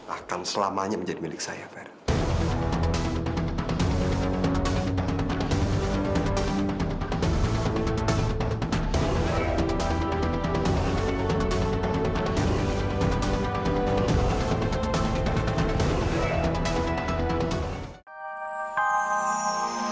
akan selamanya menjadi milik saya verdi